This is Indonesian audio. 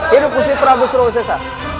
hidup gusti prabu surawisesa